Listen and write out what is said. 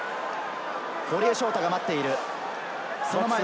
堀江翔太が待っている。